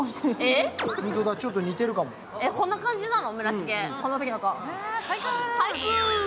えっ、こんな感じなの？